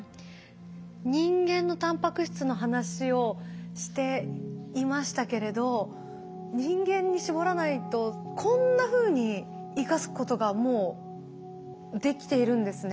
人間のタンパク質の話をしていましたけれど人間に絞らないとこんなふうに生かすことがもうできているんですね。